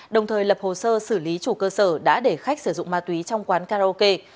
đồng thời lập hồ sơ xử lý chủ cơ sở đã để khách sử dụng ma túy trong quán karaoke